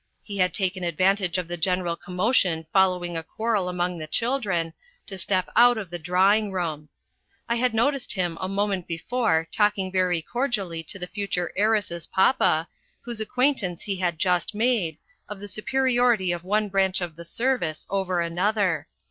He had taken advantage of the general com motion following a quarrel among the children to step out of A CHRISTMAS TREE AND A WEDDING 203 the drawing room. I had noticed him a moment before talking very cordially to the future heiress's papa, whose acquaintance he had just made, of the superiority of one branch of the service over another.